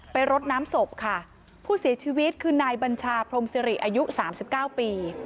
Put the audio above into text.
ไปรดน้ำศพค่ะผู้เสียชีวิตคือนายบัญชาพรมสิริอายุ๓๙ปี